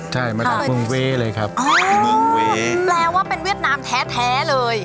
ใช่มาจากเมืองเว้เลยครับเมืองเวย์แปลว่าเป็นเวียดนามแท้เลย